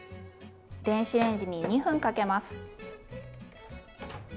電子レンジに２分かけます。